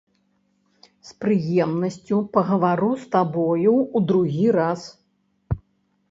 З прыемнасцю пагавару з табою ў другі раз.